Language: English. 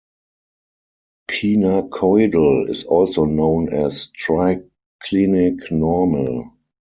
Pinacoidal is also known as triclinic normal.